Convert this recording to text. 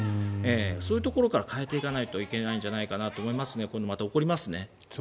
そういうところから変えていかないといけないと思いますがまた起こりますね。